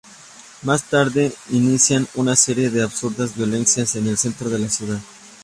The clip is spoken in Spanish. Más tarde inician una serie de absurda violencia en el centro de la ciudad.